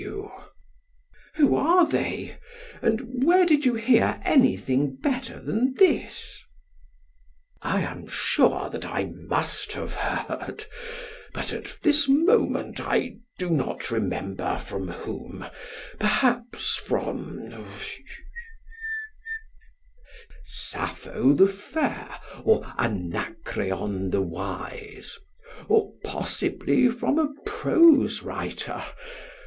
PHAEDRUS: Who are they, and where did you hear anything better than this? SOCRATES: I am sure that I must have heard; but at this moment I do not remember from whom; perhaps from Sappho the fair, or Anacreon the wise; or, possibly, from a prose writer.